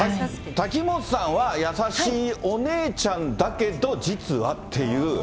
瀧本さんは優しいお姉ちゃんだけど、実はっていう。